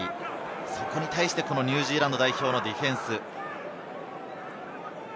そこに対してニュージーランド代表のディフェンス。